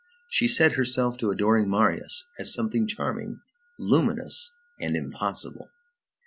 She set herself to adoring Marius as something charming, luminous, and impossible.